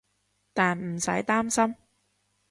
但唔使擔心